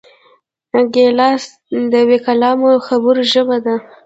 ګیلاس د بېکلامو خبرو ژبه ده.